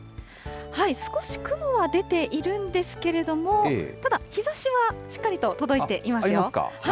少し雲は出ているんですけれども、ただ、日ざしはしっかりと届いていますよ。